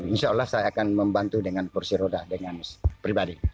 insya allah saya akan membantu dengan kursi roda dengan pribadi